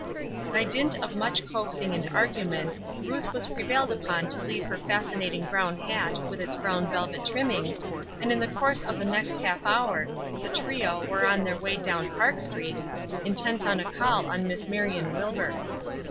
By dint of much coaxing and argument Ruth was prevailed upon to leave her fascinating brown hat with its brown velvet trimmings, and in the course of the next half hour the trio were on their way down Park Street, intent on a call on Miss Marion Wilbur.